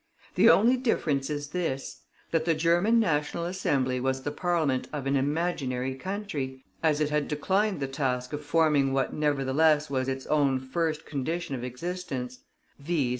The only difference is this, that the German National Assembly was the parliament of an imaginary country, as it had declined the task of forming what nevertheless was its own first condition of existence, viz.